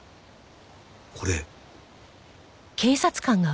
これ。